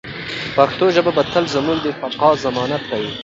پښتو ژبه به تل زموږ د بقا ضمانت وي.